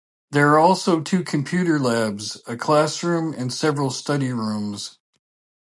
There are also two computer labs, a classroom and several study rooms.